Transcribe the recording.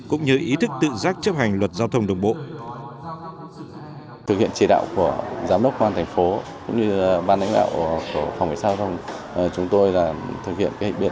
cũng như ý thức tự giác chấp hành luật giao thông đường bộ